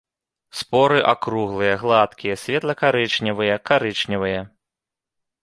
Споры акруглыя, гладкія, светла-карычневыя, карычневыя.